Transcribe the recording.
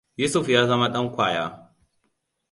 Yusuf ya zama dan kwaya.